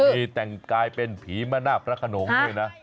มีแต่งกายเป็นผีมนาพระขนมเลยนะ